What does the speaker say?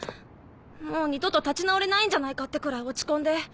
もう二度と立ち直れないんじゃないかってくらい落ち込んで。